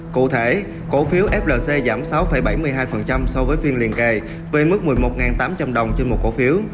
cụ thể cổ phiếu flc giảm sáu bảy mươi hai so với phiên liên kề với mức một mươi một tám trăm linh đồng trên một cổ phiếu